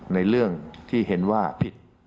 ในเรื่องที่เห็นว่าผิด